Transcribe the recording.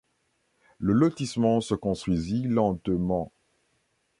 Le lotissement se construisit lentement.